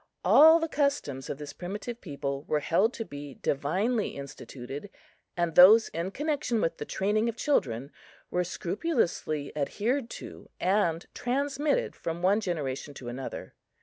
All the customs of this primitive people were held to be divinely instituted, and those in connection with the training of children were scrupulously adhered to and transmitted from one generation to another.